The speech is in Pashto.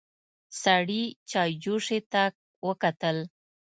سړي چايجوشې ته وکتل.